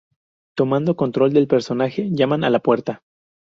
Tomando control del personaje, llaman a la puerta.